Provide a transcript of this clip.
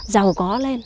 giàu có lên